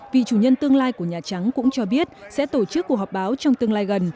vị chủ nhân tương lai của nhà trắng cũng cho biết sẽ tổ chức cuộc họp báo trong tương lai gần